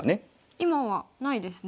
今はないですね。